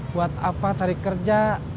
buat apa cari kerja